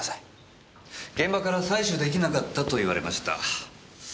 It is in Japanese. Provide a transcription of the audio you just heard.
現場から採取出来なかったと言われました。